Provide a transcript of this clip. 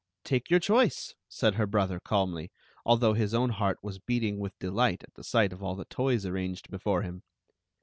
" "Take your choice," said her brother, calmly, although his own heart was beating with delight at the sight of all the toys arranged before him.